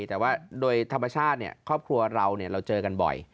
แต่ว่าโดยธรรมชาติครอบครัวเราเราเจอกันบ่อย